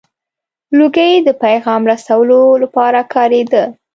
• لوګی د پیغام رسولو لپاره کارېده.